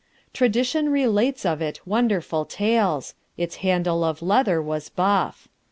Tradition relates of it wonderful tales. Its handle of leather was buff.